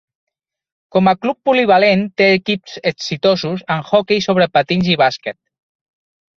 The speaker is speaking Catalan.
Com a club polivalent té equips exitosos en hoquei sobre patins i bàsquet.